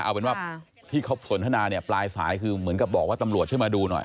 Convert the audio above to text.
เอาเป็นว่าที่เขาสนทนาเนี่ยปลายสายคือเหมือนกับบอกว่าตำรวจช่วยมาดูหน่อย